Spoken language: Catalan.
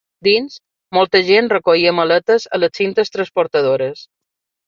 Dins, molta gent recollia maletes a les cintes transportadores.